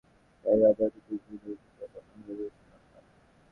এই অভিব্যক্তি দুঃখ বোঝানোর জন্য করা হয়, ভেবেছিলাম আমি পাগল।